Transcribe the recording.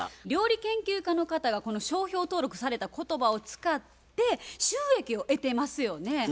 料理研究家の方がこの商標登録された言葉を使って収益を得てますよね。